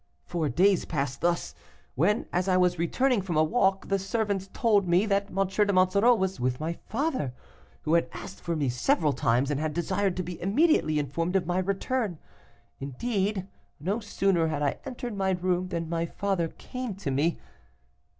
"Four days passed thus, when, as I was returning from a walk, the servants told me that M. de Monsoreau was with my father, who had asked for me several times, and had desired to be immediately informed of my return. Indeed, no sooner had I entered my room, than my father came to me.